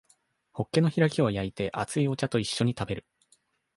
ホッケの開きを焼いて熱いお茶と一緒に食べる